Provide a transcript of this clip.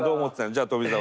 じゃあ富澤